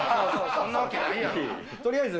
そんなわけないやん。